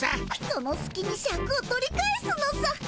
そのすきにシャクを取り返すのさ。